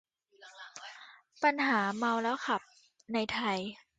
ปัญหาเมาแล้วขับในไทย